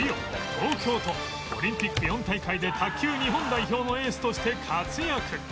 東京とオリンピック４大会で卓球日本代表のエースとして活躍